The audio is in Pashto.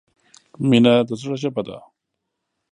• مینه د زړۀ ژبه ده.